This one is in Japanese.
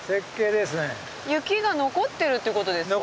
雪が残ってるってことですか？